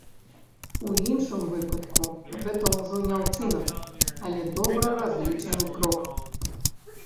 У іншым выпадку гэта ўжо не ўчынак, але добра разлічаны крок.